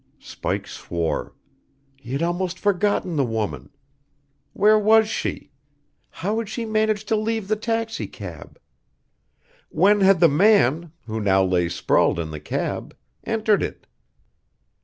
Spike swore. He had almost forgotten the woman. Where was she? How had she managed to leave the taxicab? When had the man, who now lay sprawled in the cab, entered it?